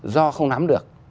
do không nắm được